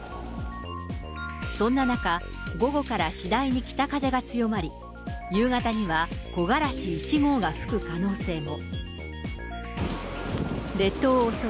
そんな中、午後から次第に北風が強まり、夕方には、木枯らし１号が吹く可能性も。